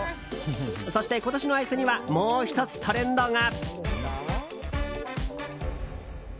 そして、今年のアイスにはもう１つトレンドが。